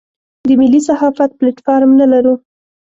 د ملي صحافت پلیټ فارم نه لرو.